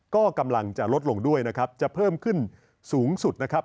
ก็กำลังจะลดลงด้วยนะครับจะเพิ่มขึ้นสูงสุดนะครับ